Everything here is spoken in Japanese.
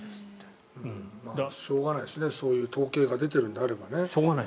しょうがないですねそういう統計が出てるのであれば。